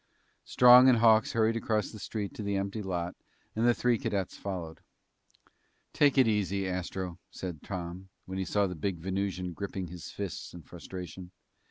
Strong and Hawks hurried across the street to the empty lot and the three cadets followed. "Take it easy, Astro," said Tom, when he saw the big Venusian gripping his fists in frustration.